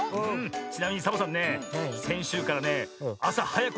ちなみにサボさんねせんしゅうからねあさはやくおきてね